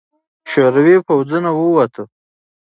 شوروي پوځونه ووته.